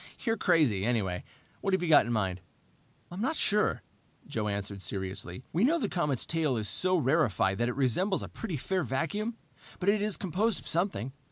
"You're crazy, anyway. What have you got in mind?" "I'm not sure," Joe answered seriously. "We know the comet's tail is so rarefied that it resembles a pretty fair vacuum, but it is composed of something.